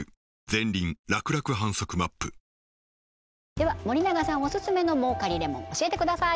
では森永さんオススメの儲かりレモン教えてください！